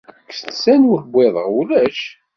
Kkes-d sani ur uwiḍen, ulac.